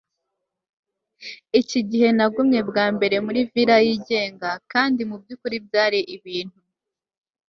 Iki gihe nagumye bwa mbere muri villa yigenga kandi mubyukuri byari ibintu